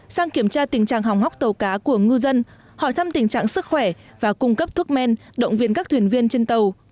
sang kiểm tra tình trạng hỏng hóc tàu cá của ngư dân hỏi thăm tình trạng sức khỏe và cung cấp thuốc men động viên các thuyền viên trên tàu